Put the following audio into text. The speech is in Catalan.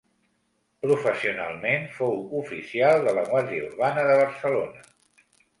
Professionalment fou oficial de la Guàrdia Urbana de Barcelona.